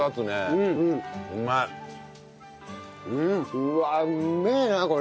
うわうめえなこれ。